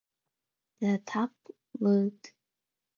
The tap root produces a branched root system with smooth, rounded nodules.